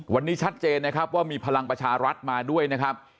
วันนี้ชัดเจนนะครับว่ามีพลังประชารัฐมาด้วยนะครับ